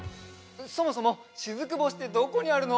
そもそもしずく星ってどこにあるの？